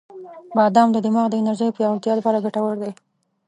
• بادام د دماغ د انرژی پیاوړتیا لپاره ګټور دی.